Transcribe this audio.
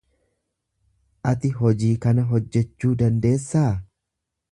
Ati hojii kana hojjachuu dandeessaa?